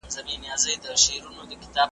چیري چي زور وي د جاهلانو `